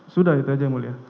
sudah itu aja yang mulia